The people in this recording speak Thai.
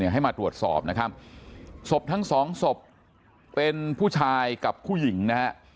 ให้มาตรวจสอบนะครับศพทั้งสองศพเป็นผู้ชายกับผู้หญิงนะฮะ